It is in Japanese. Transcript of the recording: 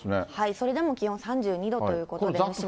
それでも気温３２度ということで。